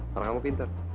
marah kamu pintar